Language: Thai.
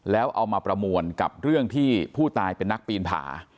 แล้วเอามาประมวลกับเรื่องที่ผู้ตายเป็นนักปีนผา